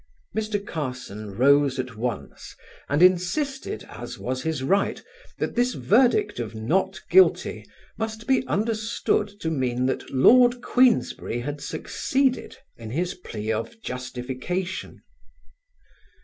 Mr. Carson rose at once and insisted, as was his right, that this verdict of "not guilty" must be understood to mean that Lord Queensberry had succeeded in his plea of justification.